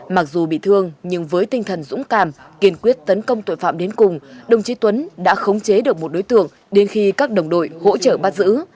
mặc dù bị thương nhưng với tinh thần dũng cảm kiên quyết tấn công tội phạm đến cùng đồng chí tuấn đã khống chế được một đối tượng đến khi các đồng đội hỗ trợ bắt giữ